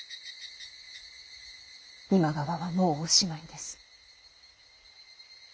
今川はもうおしまいです。